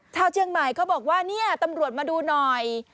เชียงใหม่เขาบอกว่าเนี่ยตำรวจมาดูหน่อย